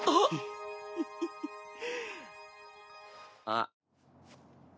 あっ？